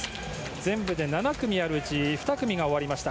全部で７組あるうち２組が終わりました。